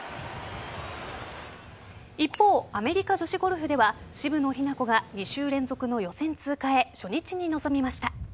一方、アメリカ女子ゴルフでは渋野日向子が２週連続の予選通過へ初日に臨みました。